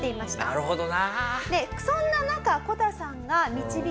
なるほど！